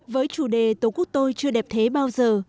với chủ đề tổ quốc tôi chưa đẹp thế bao giờ